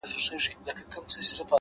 څوک چي ستا يو دين د زړه په درزېدا ورکوي-